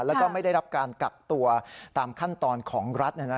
แล้วก็ไม่ได้รับการกักตัวตามขั้นตอนของรัฐ